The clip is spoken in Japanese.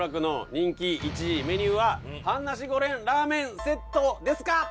人気１位メニューは半ナシゴレンラーメンセットですか？